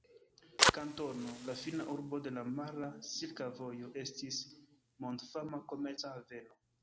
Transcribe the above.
Kantono, la fina urbo de la mara Silka Vojo, estis mondfama komerca haveno.